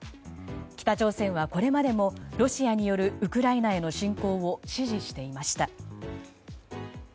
北朝鮮はこれまでもロシアによるウクライナへの侵攻を支持していました。